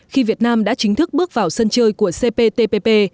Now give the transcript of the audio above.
khi việt nam đã chính thức bước vào sân chơi của cptpp